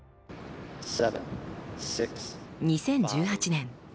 ２０１８年